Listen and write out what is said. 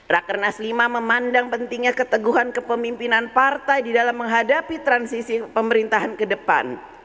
rakernas lima memandang pentingnya keteguhan kepemimpinan partai di dalam menghadapi transisi pemerintahan ke depan